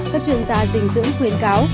các chuyên gia dinh dưỡng khuyến cáo